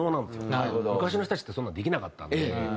昔の人たちってそんなのできなかったので。